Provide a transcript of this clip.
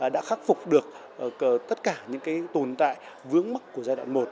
đã khắc phục được tất cả những tồn tại vướng mắc của giai đoạn một